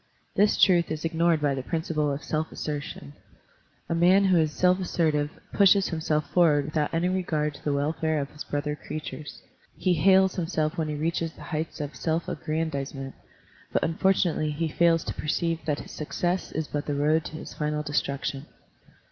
This truth is ignored by the principle of self assertion. A man who is self assertive pushes himself forward without any regard to the welfare of his brother creatures; he hails him self when he reaches the heights of self aggran dizement; but unfortunately he fails to perceive that his success is but the road to his final destruction.